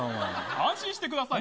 安心してください。